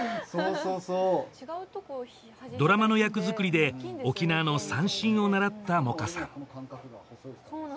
そうそうドラマの役作りで沖縄の三線を習った萌歌さん